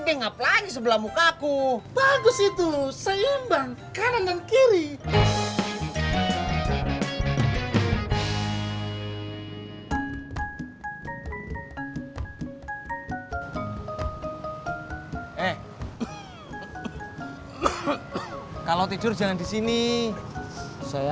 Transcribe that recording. bingap lagi sebelah mukaku bagus itu sayang bang kanan dan kiri kalau tidur jangan di sini saya